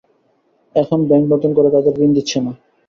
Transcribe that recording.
এখন ব্যাংক নতুন করে তাঁদের ঋণ দিচ্ছে না।